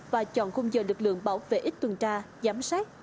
và chọn không dờ lực lượng bảo vệ ít tuần tra giám sát